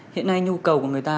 hiện nay nhu cầu của người ta